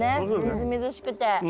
みずみずしくて。